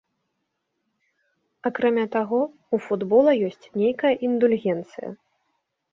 Акрамя таго, у футбола ёсць нейкая індульгенцыя.